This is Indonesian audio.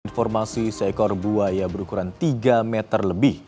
informasi seekor buaya berukuran tiga meter lebih